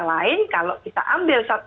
lain kalau kita ambil